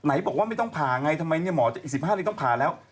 ไหนบอกว่าไม่ต้องผ่าไงทำไมเนี่ยอีก๑๕นิตย์ต้องผ่าแล้ว